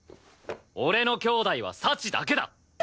俺の兄妹は幸だけだ！